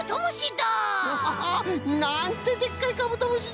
ホホホッ。なんてでっかいカブトムシ